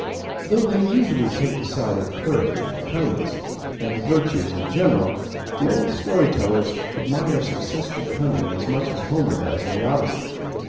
Though they usually take the side of courage and kindness, and the virtues in general, the old story tellers admire successful cunning as much as Homer does in the Odyssey.